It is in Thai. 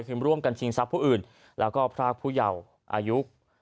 คือร่วมกันชิงทรัพย์ผู้อื่นแล้วก็พรากผู้เยาว์อายุ